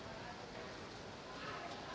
dpr ri dari sembilan orang tersebut ada